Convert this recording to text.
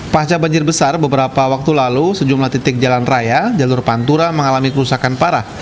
pasca banjir besar beberapa waktu lalu sejumlah titik jalan raya jalur pantura mengalami kerusakan parah